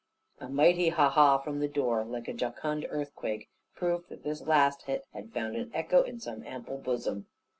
A mighty "ha ha" from the door, like a jocund earthquake, proved that this last hit had found an echo in some ample bosom.